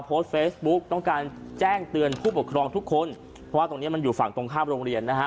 โพสต์เฟซบุ๊กต้องการแจ้งเตือนผู้ปกครองทุกคนเพราะว่าตรงเนี้ยมันอยู่ฝั่งตรงข้ามโรงเรียนนะฮะ